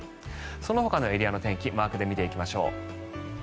そのほかのエリアの天気マークで見ていきましょう。